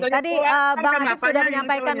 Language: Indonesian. tadi bung henry sudah menyampaikan